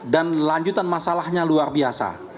dan lanjutan masalahnya luar biasa